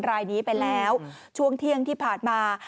รายนี้ไปแล้วช่วงเที่ยงที่ผ่านมา